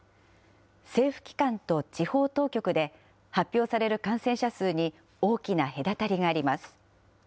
政府機関と地方当局で、発表される感染者数に大きな隔たりがあります。